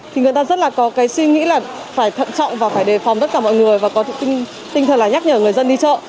thì người ta rất là có cái suy nghĩ là phải thận trọng và phải đề phòng tất cả mọi người và có tinh thần là nhắc nhở người dân đi chợ